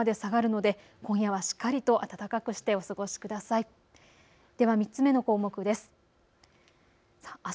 では３つ目の項目です。